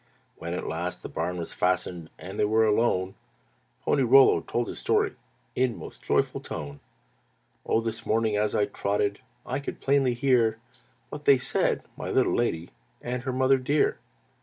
When at last the barn was fastened And they were alone, Pony Rollo told his story In most joyful tone. "Oh! this morning as I trotted I could plainly hear What they said, my little lady And her mother dear.